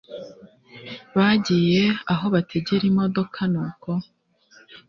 bagiye aho bategera imodoka nuko